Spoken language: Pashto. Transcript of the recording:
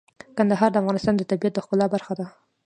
کندهار د افغانستان د طبیعت د ښکلا برخه ده.